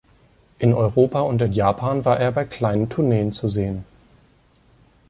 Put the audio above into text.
In Europa und in Japan war er bei kleinen Tourneen zu sehen.